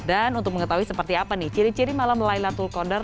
dan untuk mengetahui seperti apa nih ciri ciri malam laylatul qadar